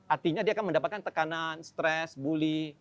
artinya dia akan mendapatkan tekanan stres bully